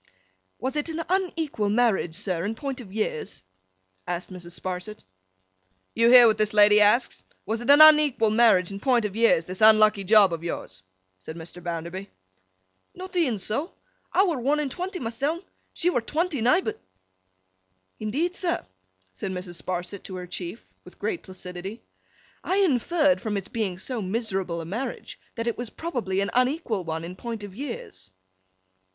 'Was it an unequal marriage, sir, in point of years?' asked Mrs. Sparsit. 'You hear what this lady asks. Was it an unequal marriage in point of years, this unlucky job of yours?' said Mr. Bounderby. 'Not e'en so. I were one and twenty myseln; she were twenty nighbut.' 'Indeed, sir?' said Mrs. Sparsit to her Chief, with great placidity. 'I inferred, from its being so miserable a marriage, that it was probably an unequal one in point of years.